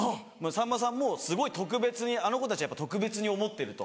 さんまさんもすごい特別にあの子たちは特別に思ってると。